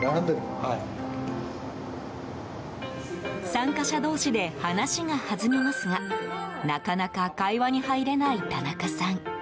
参加者同士で話が弾みますがなかなか会話に入れない田中さん。